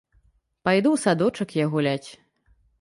Пайду ў садочак я гуляць.